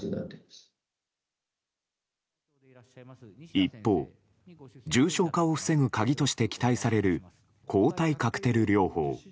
一方、重症化を防ぐ鍵として期待される抗体カクテル療法。